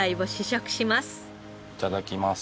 いただきます。